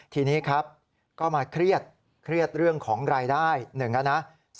ทีนี้ก็มาเครียดเรื่องของรายได้๑นะ